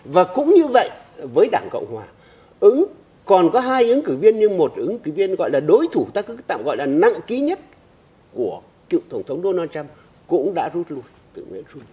và cũng như vậy với đảng cộng hòa ứng còn có hai ứng cử viên nhưng một ứng cử viên gọi là đối thủ ta cứ tạm gọi là nặng ký nhất của cựu tổng thống donald trump cũng đã rút lui